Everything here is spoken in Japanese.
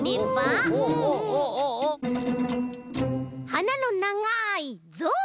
はなのながいぞう！